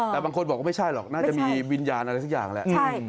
แต่บางคนบอกว่าไม่ใช่หรอกน่าจะมีวิญญาณอะไรสักอย่างแหละ